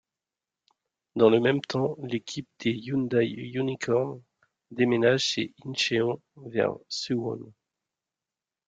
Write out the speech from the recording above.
Dans le même temps, l'équipe des Hyundai Unicorns déménage de Incheon vers Suwon.